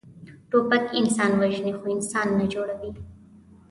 توپک انسان وژني، خو انسان نه جوړوي.